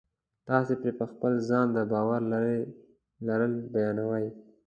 تاسې پرې په خپل ځان د باور لرل بیانوئ